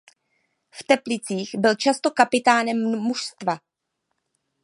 V Teplicích byl často kapitánem mužstva.